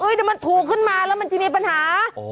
เดี๋ยวมันถูกขึ้นมาแล้วมันจะมีปัญหา